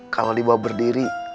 kalau dibawa berdiri